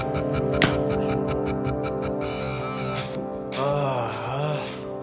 ああ。